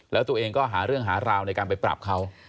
แล้วตัวเองก็หาเรื่องหาราวในการไปปรับเขา